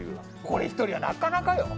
これ１人はなかなかよ。